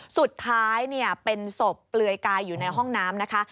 สุดท้ายเป็นศพเปลือยกายอยู่ในห้องน้ำนะคะ